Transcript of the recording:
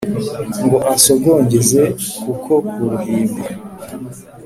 ngo ansogongeze ku ko ku ruhimbi,